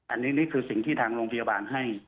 อันนี้นี่คือสิ่งที่ทางโรงพยาบาลให้